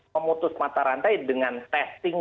memutus mata rantai dengan testing